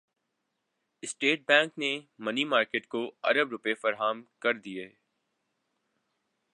state bank نےمنی market کو ارب روپے فراہم کردیے